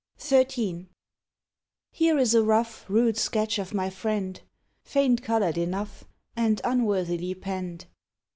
XIII Here is a rough Rude sketch of my friend, Faint coloured enough And unworthily penned.